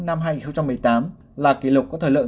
năm hai nghìn một mươi tám là kỷ lục có thời lượng